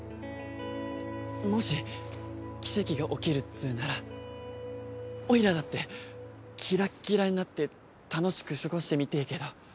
もし奇跡が起きるっつうならオイラだってキラッキラになって楽しく過ごしてみてえけど。